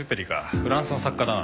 フランスの作家だな。